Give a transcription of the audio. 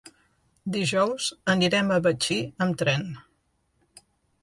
Dijous anirem a Betxí amb tren.